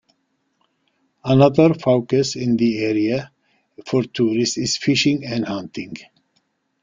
Another focus in the area for tourists is fishing and hunting.